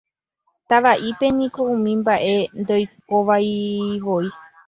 Tavaʼípe niko umi mbaʼe ndoikoivavoi.